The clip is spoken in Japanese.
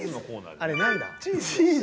あれなんだ？